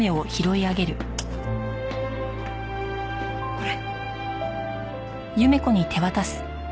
これ。